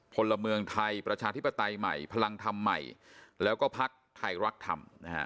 พลเมืองไทยประชาธิปไตยใหม่พลังธรรมใหม่แล้วก็พักไทยรักธรรมนะฮะ